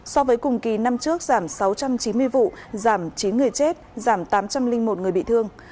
so với cùng kỳ năm trước giảm sáu trăm chín mươi vụ giảm chín người chết giảm tám trăm linh một người bị thương